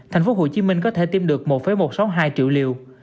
thành phố hồ chí minh có thể tiêm được một một trăm sáu mươi hai triệu liều